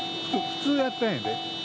普通やったんやで。